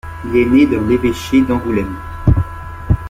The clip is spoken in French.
Il est né dans l’évêché d’Angoulême.